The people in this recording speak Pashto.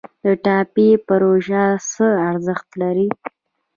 د ټاپي پروژه څه ارزښت لري؟